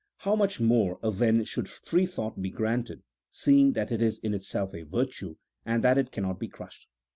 How much more then should free thought be granted, seeing that it is in itself a virtue and that it cannot be crushed